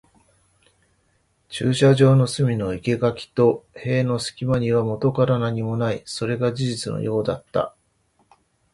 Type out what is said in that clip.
駐車場の隅の生垣と壁の隙間にはもとから何もない。それが事実のようだった。